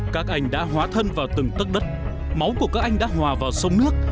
các anh đã hóa thân vào từng tất đất máu của các anh đã hòa vào sông nước